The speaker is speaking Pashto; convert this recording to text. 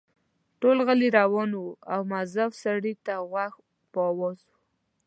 ټول غلي روان وو او مؤظف سړي ته غوږ په آواز وو.